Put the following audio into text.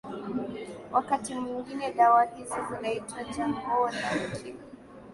wakati mwingine dawa hizo zinaitwa jogoo la ukimwi